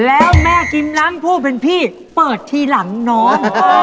แล้วแม่กิมล้างผู้เป็นพี่เปิดทีหลังน้อง